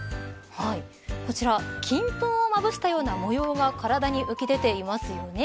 こちら金粉をまぶしたような模様が体に浮き出ていますよね。